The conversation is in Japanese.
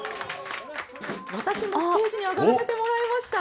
私もステージに上がらせてもらいました。